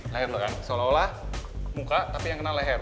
leher seolah olah muka tapi yang kena leher